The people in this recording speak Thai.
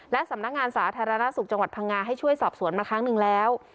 และสำนักงานสาธารณสุขจังหวัดพังงาให้ช่วยสอบสวนมาครั้งหนึ่งแล้ว